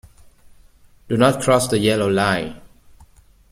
Do not cross the yellow line.